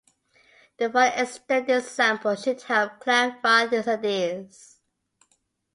The following extended example should help clarify these ideas.